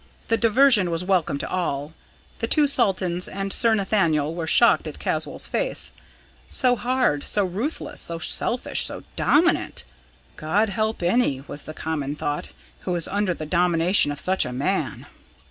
The diversion was welcome to all; the two Saltons and Sir Nathaniel were shocked at Caswall's face so hard, so ruthless, so selfish, so dominant. "God help any," was the common thought, "who is under the domination of such a man!"